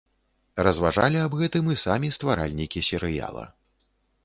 Разважалі аб гэтым і самі стваральнікі серыяла.